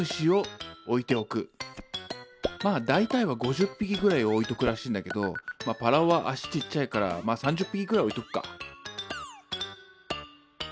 まあ大体は５０匹ぐらい置いとくらしいんだけどパラオは足ちっちゃいから３０匹くらい置いとくか。